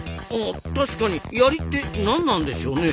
確かに「やり」って何なんでしょうね。